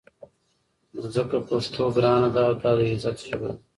نو ځکه پښتو ګرانه ده او دا د عزت ژبه ده.